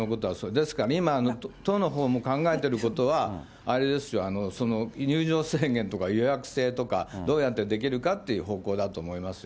ですから、今、都のほうも考えていることは、あれですよ、入場制限とか予約制とか、どうやってできるかっていう方向だと思いますよ。